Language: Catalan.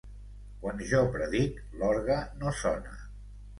Quan jo predic, l'orgue no sona.